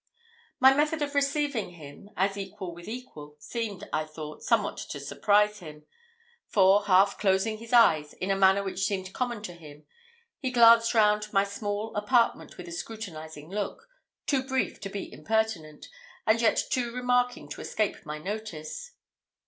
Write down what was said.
My method of receiving him, as equal with equal, seemed, I thought, somewhat to surprise him; for, half closing his eyes, in a manner which seemed common to him, he glanced round my small apartment with a scrutinizing look, too brief to be impertinent, and yet too remarking to escape my notice.